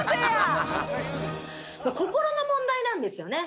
心の問題なんですよね。